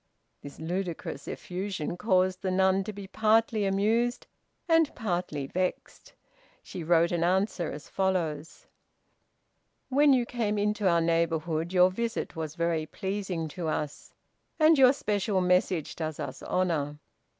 This ludicrous effusion caused the nun to be partly amused and partly vexed. She wrote an answer as follows: "When you came into our neighborhood your visit was very pleasing to us, and your special message does us honor.